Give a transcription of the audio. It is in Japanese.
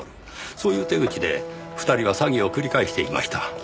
そういう手口で２人は詐欺を繰り返していました。